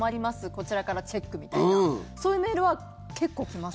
こちらからチェックみたいなそういうメールは結構来ます。